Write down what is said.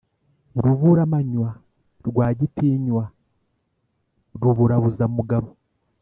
Ruburamanywa Rwagitinywa, ruburabuzamugabo,